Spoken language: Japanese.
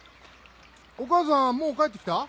お母さんもう帰ってきた？